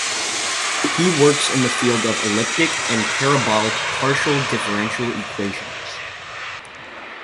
He works in the field of elliptic and parabolic partial differential equations.